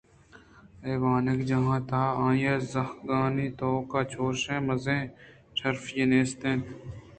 اے وانگجاہ ءِتہا آئی ءِزہگانی توک ءَچوشیں مزنیں شرفے نیست اَت